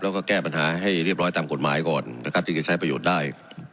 แล้วก็แก้ปัญหาให้เรียบร้อยตามกฎหมายก่อนนะครับที่จะใช้ประโยชน์ได้